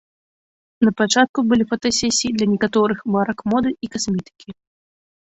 Напачатку былі фотасесіі для некаторых марак моды і касметыкі.